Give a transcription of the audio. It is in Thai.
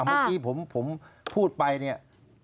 อ่ะเพียงเมื่อกี้ผมพูดไปเนี่ย